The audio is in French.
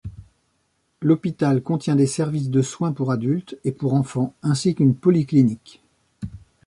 L'hôpital contient des services de soins pour adultes et pour enfants, ainsi qu'une polyclinique.